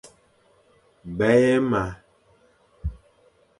Bèye ma.